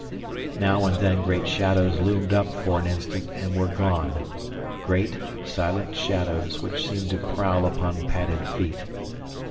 Now and then great shadows loomed up for an instant and were gone great, silent shadows which seemed to prowl upon padded feet.